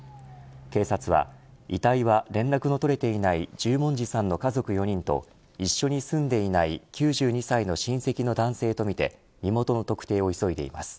警察は遺体は連絡の取れていない十文字さんの家族４人と一緒に住んでいない９２歳の親戚の男性とみて身元の特定を急いでいます。